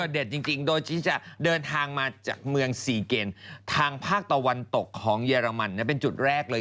จริงโดยที่จะเดินทางมาจากเมือง๔เกณฑ์ทางภาคตะวันตกของเยอรมันเป็นจุดแรกเลย